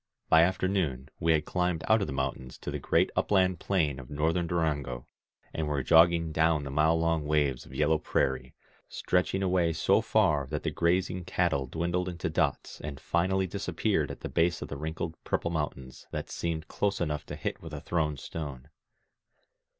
By afternoon we had climbed out of the mountains to the great upland plain of Northern Durango, and were jogging down the mile long waves of yellow prairie, stretching away so far that the grazing cattle dwindled into dots and finally disappeared at the base of the wrinkled purple mountains that seemed close enough to hit with a thrown stone.